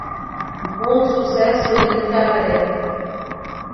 Bom Sucesso de Itararé